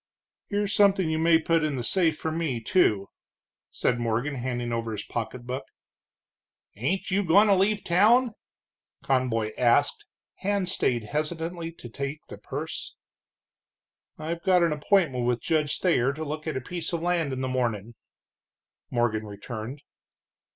"Here's something you may put in the safe for me, too," said Morgan, handing over his pocketbook. "Ain't you goin' to leave town?" Conboy asked, hand stayed hesitantly to take the purse. "I've got an appointment with Judge Thayer to look at a piece of land in the morning," Morgan returned.